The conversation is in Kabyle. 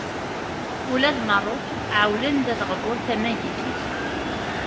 Ula d Meṛṛuk ɛewwlen-d ad ɣbun tamagit-is.